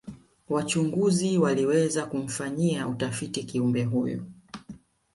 wachunguzi waliweza kumfanyia utafiti kiumbe huyu